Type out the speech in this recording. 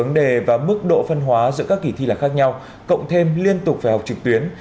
vấn đề và mức độ phân hóa giữa các kỳ thi là khác nhau cộng thêm liên tục phải học trực tuyến